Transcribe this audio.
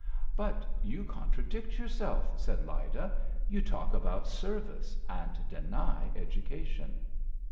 "But you contradict yourself," said Lyda. "You talk about service and deny education."